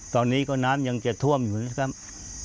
ตอนนี้ก็น้ำยังจะท่วมอยู่นะครับ